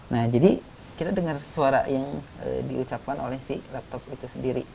nah jadi kita dengar suara yang diucapkan oleh si laptop itu sendiri